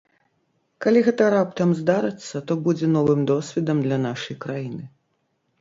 Калі гэта раптам здарыцца, то будзе новым досведам для нашай краіны.